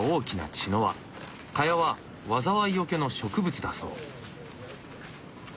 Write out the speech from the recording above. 茅は災いよけの植物だそう。